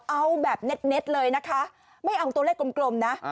เอาแบบเน็ตเลยนะคะไม่เอาตัวเลขกลมนะ